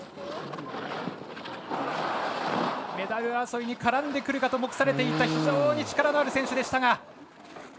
メダル争いに絡んでくるかと目されていた非常に力のある選手でしたが。